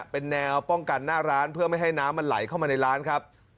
เป็นแนวป้องกันหน้าร้านเพื่อไม่ให้น้ำมันไหลเข้ามาในร้านครับ